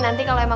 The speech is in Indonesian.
ini gak coba